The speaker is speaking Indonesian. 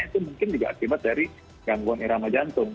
itu mungkin juga akibat dari gangguan irama jantung